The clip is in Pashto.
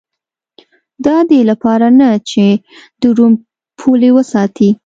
دا د دې لپاره نه چې د روم پولې وساتي